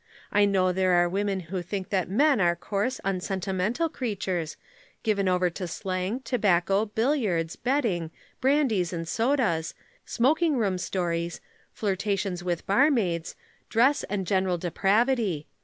I know there are women who think that men are coarse, unsentimental creatures, given over to slang, tobacco, billiards, betting, brandies and sodas, smoking room stories, flirtations with barmaids, dress and general depravity.